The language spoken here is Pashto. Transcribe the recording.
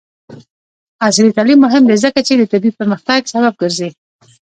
عصري تعلیم مهم دی ځکه چې د طبي پرمختګ سبب ګرځي.